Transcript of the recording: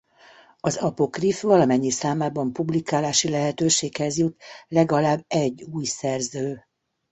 Az Apokrif valamennyi számában publikálási lehetőséghez jut legalább egy új szerző.